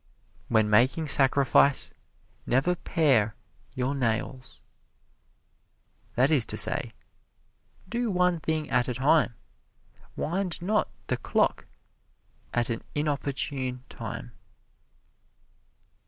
"When making sacrifice, never pare your nails" that is to say, do one thing at a time: wind not the clock at an inopportune time.